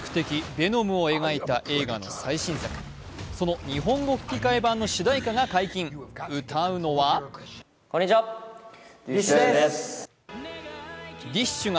・ヴェノムを描いた映画の最新作、その日本語吹き替え版の主題歌が解禁、歌うのはＤＩＳＨ／／が